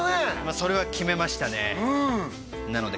それは決めましたねなので